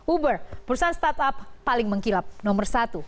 uber perusahaan startup paling mengkilap nomor satu